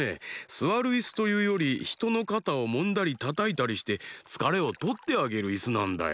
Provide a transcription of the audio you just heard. すわるイスというよりひとのかたをもんだりたたいたりしてつかれをとってあげるイスなんだよ。